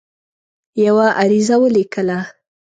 یوه عریضه ولیکله.